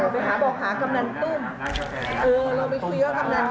ไปหากำนันตุ้มเออเราไปคุยกับกำนันนิดหน่อย